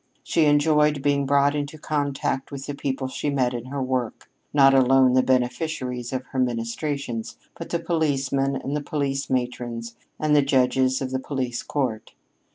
She enjoyed being brought into contact with the people she met in her work not alone the beneficiaries of her ministrations, but the policemen and the police matrons and the judges of the police court.